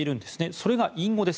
それが隠語です。